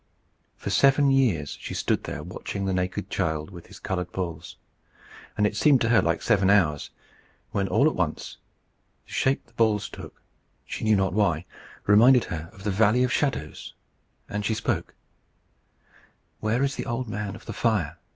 For seven years she had stood there watching the naked child with his coloured balls, and it seemed to her like seven hours, when all at once the shape the balls took, she knew not why, reminded her of the Valley of Shadows, and she spoke: "Where is the Old Man of the Fire?"